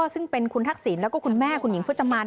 ซึ่งเป็นคุณทักษิณแล้วก็คุณแม่คุณหญิงพจมาน